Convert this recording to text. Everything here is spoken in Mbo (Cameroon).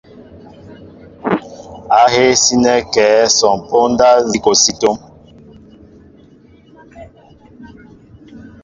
Ahéé sínέ kɛέ son póndá nzi kɔsi é tóóm ?